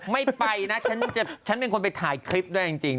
ไม่ไปนะฉันเป็นคนไปถ่ายคลิปด้วยจริง